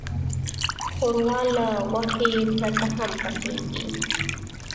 ښوروا له غوښې پرته هم پخیږي.